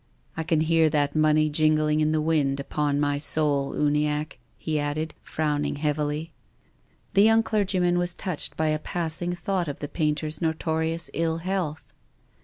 " I can hear that money jingling in the wind, upon my soul, Uniacke," he added, frowning heavily. The young clergyman was touched by a passing thought of the painter's notorious ill health.